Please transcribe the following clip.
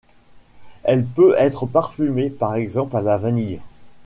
Elle peut être parfumée par exemple à la vanille.